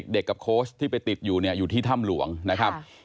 กับโค้ชที่ไปติดอยู่เนี่ยอยู่ที่ถ้ำหลวงนะครับ